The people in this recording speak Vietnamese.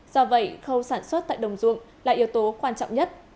do vậy khâu sản xuất tại đồng ruộng là yếu tố quan trọng nhất